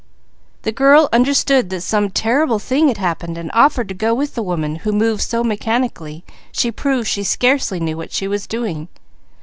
The girl understood that some terrible thing had happened and offered to go with the woman who moved so mechanically she proved she scarcely knew what she was doing.